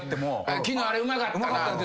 昨日あれうまかったなって。